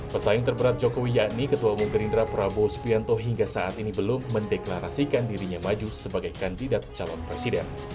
pesaing terberat jokowi yakni ketua umum gerindra prabowo spianto hingga saat ini belum mendeklarasikan dirinya maju sebagai kandidat calon presiden